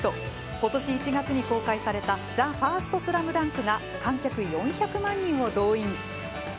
今年１月に公開された「ＴＨＥＦＩＲＳＴＳＬＡＭＤＵＮＫ」が観客４００万人を動員。